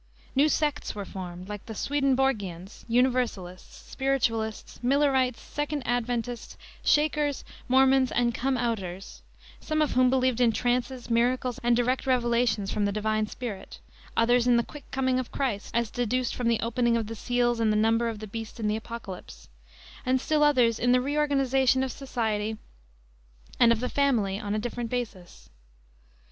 New sects were formed, like the Swedenborgians, Universalists, Spiritualists, Millerites, Second Adventists, Shakers, Mormons, and Come outers, some of whom believed in trances, miracles, and direct revelations from the divine Spirit; others in the quick coming of Christ, as deduced from the opening of the seals and the number of the beast in the Apocalypse; and still others in the reorganization of society and of the family on a different basis.